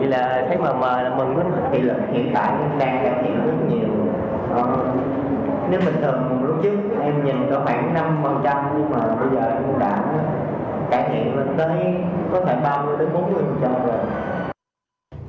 hiện tại em đang đang hiểu rất nhiều nếu mình thường lúc trước em nhìn có khoảng năm nhưng mà bây giờ em cũng đã cải thiện tới có thể ba mươi bốn mươi rồi